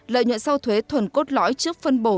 lợi nhuận sau thuế thuần cốt lõi trước phân bổ